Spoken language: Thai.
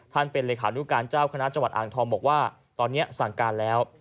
เป็นเลขานุการเจ้าคณะจังหวัดอ่างทองบอกว่าตอนนี้สั่งการแล้ว